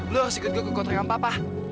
lu harus ikut gue ke kotrekan papa